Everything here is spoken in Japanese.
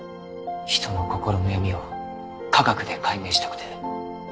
人の心の闇を科学で解明したくて。